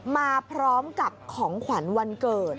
มาพร้อมกับของขวัญวันเกิด